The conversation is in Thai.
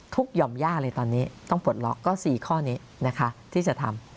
ทุกข์ยอมยากเลยตอนนี้ต้องปลดล็อคก็๔ข้อนี้ที่จะทำ